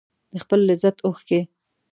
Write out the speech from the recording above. د خپل لذت اوښکې